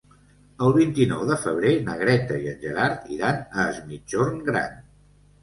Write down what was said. El vint-i-nou de febrer na Greta i en Gerard iran a Es Migjorn Gran.